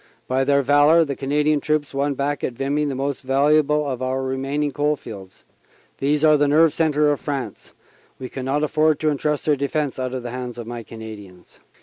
By their valor the Canadian troops won back at Vimy the most valuable of our remaining coal fields. These are the nerve centre of France. We can not afford to entrust their defense out of the hands of my Cana dians."